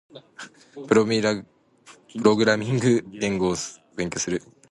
プログラミング言語を勉強する。